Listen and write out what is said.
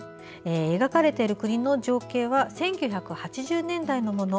描かれている国の情景は１９８０年代のもの。